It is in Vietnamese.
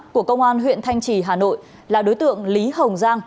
của công an huyện thanh trì hà nội là đối tượng lý hồng giang